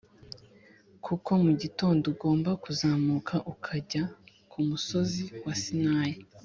kuko mu gitondo ugomba kuzamuka ukajya ku musozi wa Sinayi